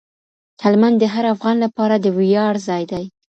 هلمند د هر افغان لپاره د ویاړ ځای دی.